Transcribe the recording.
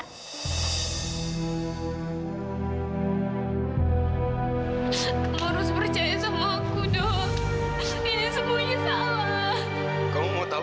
kamu harus percaya sama aku dok